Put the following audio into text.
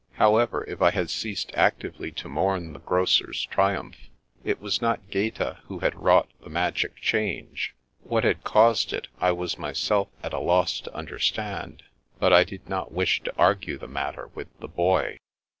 However, if I had ceased actively to mourn the grocer's triumph, it was not Gaeta who had wrought the magic change. What had caused it I was myself at a loss to understand, but I did not wish to argue the matter with the Boy.